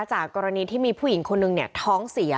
จากกรณีที่มีผู้หญิงคนนึงเนี่ยท้องเสีย